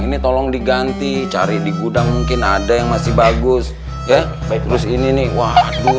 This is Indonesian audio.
ini tolong diganti cari di gudang mungkin ada yang masih bagus ya baik terus ini nih waduh